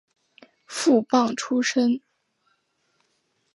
副榜出身。